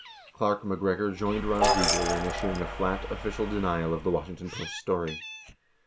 Clark MacGregor joined Ron Ziegler in issuing a flat, official denial of the Washington Post story.